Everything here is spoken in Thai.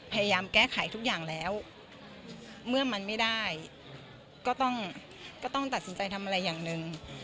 พยายามแก้ไขทุกอย่างแล้วเมื่อมันไม่ได้ก็ต้องตัดสินใจทำอะไรอย่างหนึ่ง